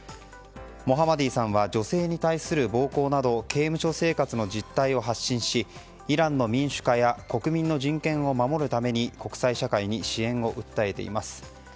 モハマディさんは女性に対する暴行など刑務所生活の実態を発信しイランの民主化や国民の人権を守るために国際社会に支援を訴えています。